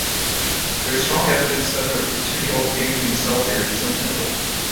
There is strong evidence that the retinal ganglion cell theory is untenable.